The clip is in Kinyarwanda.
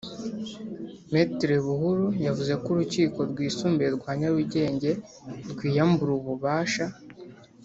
Me Buhuru yavuze ko Urukiko Rwisumbuye rwa Nyarugenge rwiyambura ububasha